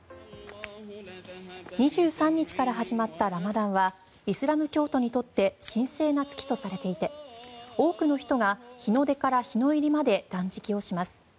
２３日から始まったラマダンはイスラム教徒にとって神聖な月とされていて多くの人が日の出から日の入りまで断食をします。